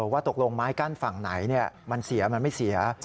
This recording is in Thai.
ว่าตกลงไม้กั้นฝั่งไหนมันเสียมันไม่เสีย